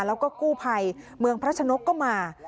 แล้วก็กู้ภัยเมืองพระชนกก็มา